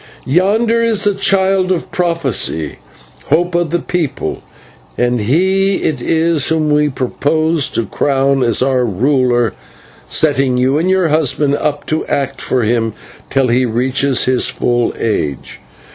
"Yonder is the Child of Prophecy, hope of the people, and he it is whom we purpose to crown as our ruler, setting you and your husband up to act for him till he reaches his full age."